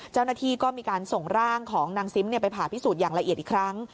เจ้าหน้าที่ก็มีการส่งร่างของนางซิมไปผ่าพิสูจน์อย่างละเอียดอีกครั้ง